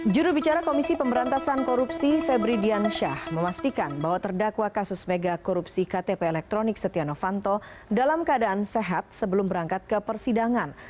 jurubicara komisi pemberantasan korupsi febri diansyah memastikan bahwa terdakwa kasus mega korupsi ktp elektronik setia novanto dalam keadaan sehat sebelum berangkat ke persidangan